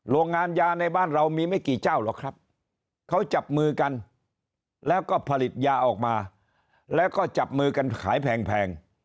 โรงงานยาในบ้านเรามีไม่กี่เจ้าหรอกครับเขาจับมือกันแล้วก็ผลิตยาออกมาแล้วก็จับมือกันขายแพง